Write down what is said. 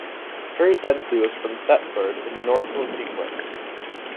Harry Bensley was from Thetford in Norfolk, England.